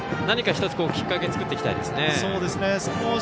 何か１つきっかけ作っていきたいですね。